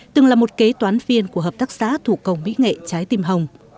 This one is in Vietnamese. từng là một kế toán viên của hợp tác xã thủ công mỹ nghệ trái tim hồng